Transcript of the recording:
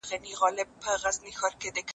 علما د علم او پوهې سرچینې دي.